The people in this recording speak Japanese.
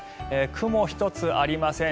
雲一つありません。